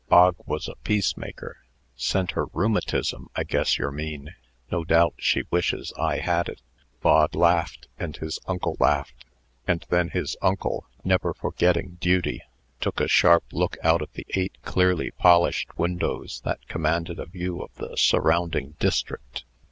Bog was a peacemaker. "Sent her rheumatism, I guess yer mean. No doubt she wishes I had it." Bog laughed, and his uncle laughed. And then his uncle, never forgetting duty, took a sharp look out of the eight clearly polished windows that commanded a view of the surrounding district.